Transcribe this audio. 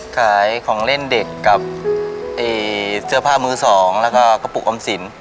ขายของเล่นเด็กกับเสื้อผ้ามือสองแล้วก็กระปุกออมสิน